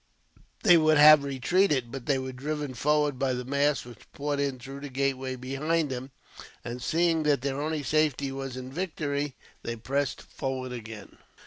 They would have retreated, but they were driven forward by the mass which poured in through the gateway behind them; and, seeing that their only safety was in victory, they pressed forward again.